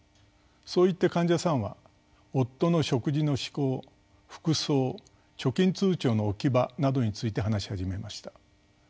そう言って患者さんは夫の食事の嗜好服装貯金通帳の置き場などについて話し始めました。